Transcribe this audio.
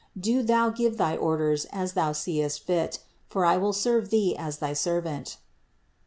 Do Thou give thy orders as Thou seest fit, for I will serve Thee as thy servant."